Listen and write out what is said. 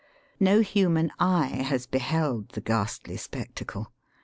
No human eye has beheld the ghastly spectacle.